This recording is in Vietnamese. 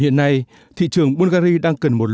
hiện nay thị trường bulgari đang cần một lượng tiền